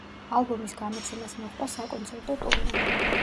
ალბომის გამოცემას მოჰყვა საკონცერტო ტურნე.